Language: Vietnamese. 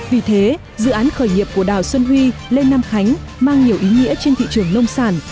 vì thế dự án khởi nghiệp của đào xuân huy lê nam khánh mang nhiều ý nghĩa trên thị trường nông sản